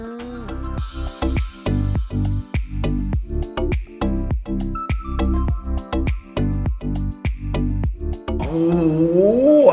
โอ้โห